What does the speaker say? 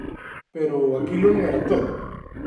Pero aquilo non era todo.